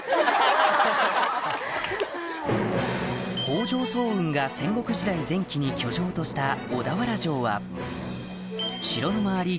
北条早雲が戦国時代前期に居城とした小田原城は城の周り